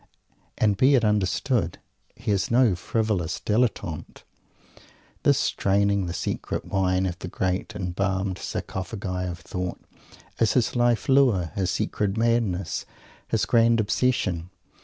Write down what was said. And, be it understood, he is no frivolous Dilettante. This draining the secret wine of the great embalmed Sarcophagi of Thought is his Life Lure, his secret madness, his grand obsession.